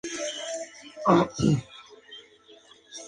Los eruditos creen que la lengua de Ebla era la lengua semita más antigua.